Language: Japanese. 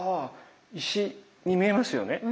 石に見えますよね。